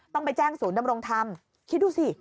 ต้องไปแจ้งศูนย์ดำรงธรรมคิดดูสิ